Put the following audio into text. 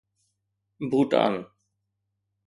Bhutan